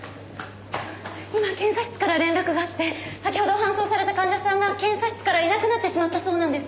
今検査室から連絡があって先ほど搬送された患者さんが検査室からいなくなってしまったそうなんです。